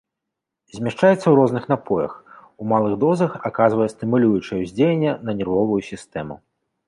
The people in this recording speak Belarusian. Змяшчаецца ў розных напоях, у малых дозах аказвае стымулюючае ўздзеянне на нервовую сістэму.